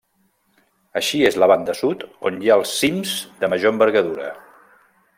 Així és a la banda sud on hi ha els cims de major envergadura.